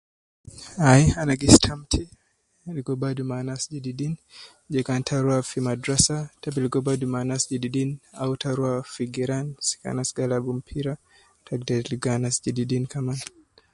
Ai ana gi stamti ligo badu me anas jedidin je kan ta rua fi madrasa te bi ligo badu me anas jedidin au ta rua fi giran sika anas gi alab mpira te agder ligo anas jedidin kaman